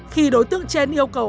khi đối tượng trên yêu cầu